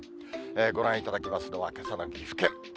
ご覧いただきますのは、けさの岐阜県。